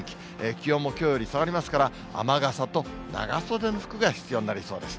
気温もきょうより下がりますから、雨傘と長袖の服が必要になりそうです。